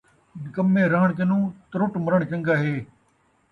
نکمے رہݨ کنوں ترٹ مرݨ چن٘ڳا ہے